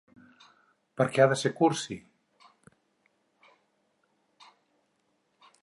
Per què ha de ser cursi?